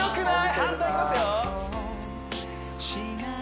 反対いきますよ